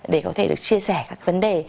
để có thể được chia sẻ các vấn đề